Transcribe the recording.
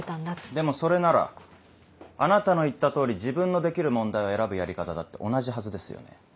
でもそれならあなたの言った通り自分のできる問題を選ぶやり方だって同じはずですよね。